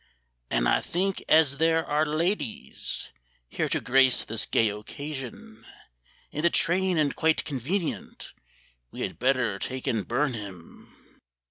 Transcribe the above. "And I think ez ther ar' ladies Here to grace this gay occasion, In the train, and quite convenient, We had better take and burn him.